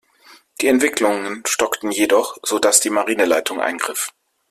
Die Entwicklungen stockten jedoch, sodass die Marineleitung eingriff.